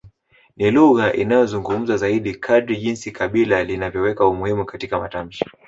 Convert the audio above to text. Ni lugha inayozungumzwa zaidi kadri jinsi kabila linavyoweka umuhimu katika matamshi